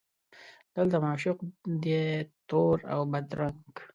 دلته معشوق دی تور اوبدرنګه